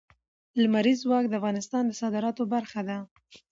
لمریز ځواک د افغانستان د صادراتو برخه ده.